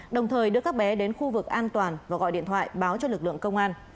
đồng thời đưa các bé đến khu vực an toàn và gọi điện thoại báo cho lực lượng công an